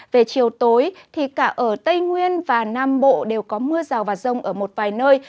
về chiều tối cả ở tây nguyên và nam bộ đều có mưa rào và rông ở một vài nơi